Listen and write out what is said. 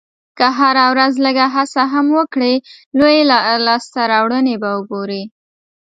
که هره ورځ لږه هڅه هم وکړې، لویې لاسته راوړنې به وګورې.